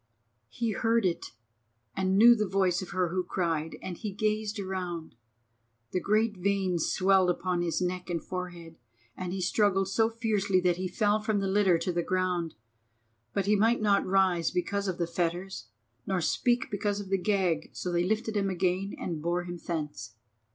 He heard it and knew the voice of her who cried, and he gazed around. The great veins swelled upon his neck and forehead, and he struggled so fiercely that he fell from the litter to the ground. But he might not rise because of the fetters, nor speak because of the gag, so they lifted him again and bore him thence.